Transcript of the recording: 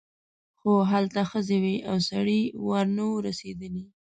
خو هلته ښځې وې او د سړي وار نه و رسېدلی.